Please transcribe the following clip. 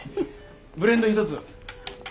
ブレンド１つ。